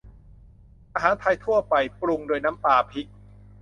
อาหารไทยทั่วไป ปรุงด้วยน้ำปลาพริก